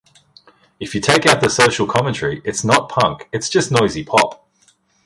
If you take out the social commentary, it's not punk, it's just noisy pop.